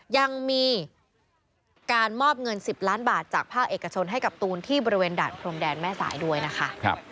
ยังมีการมอบเงิน๑๐ล้านบาทจากภาคเอกชนให้กับตูนที่บริเวณด่านพรมแดนแม่สายด้วยนะคะ